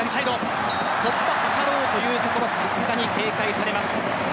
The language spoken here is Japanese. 突破を図ろうというところさすがに警戒されます。